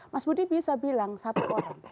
mas budi bisa bilang satu orang